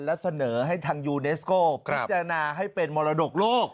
และเสนอให้ทางยูเนสโก้พิจารณาให้เป็นมรดกโลก